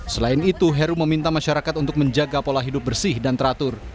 selain itu heru meminta masyarakat untuk menjaga pola hidup bersih dan teratur